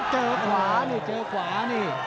เจอขวานี่เจอขวานี่